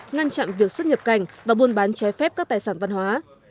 ngăn chặn việc xuất nhập cảnh và buôn bán trái phép các tài sản văn hóa